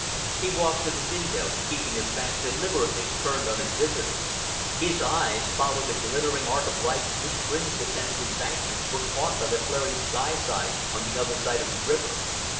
He walked to the window, keeping his back deliberately turned on his visitor. His eyes followed the glittering arc of lights which fringed the Thames Embankment, were caught by the flaring sky sign on the other side of the river.